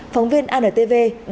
phóng viên antv